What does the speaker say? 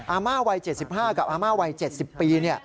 อาม่าวัย๗๕กับอาม่าวัย๗๐ปี